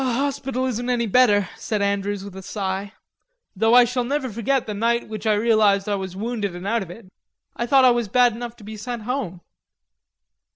"Hospital isn't any better," said Andrews with a sigh. "Though I shall never forget the night with which I realized I was wounded and out of it. I thought I was bad enough to be sent home."